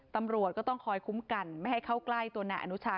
ตำรวจก็ต้องคอยคุ้มกันไม่ให้เข้าใกล้ตัวนายอนุชา